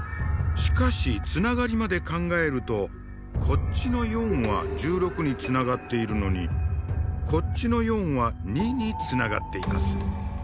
しかしつながりまで考えるとこっちの４は１６につながっているのにこっちの４は２につながっています。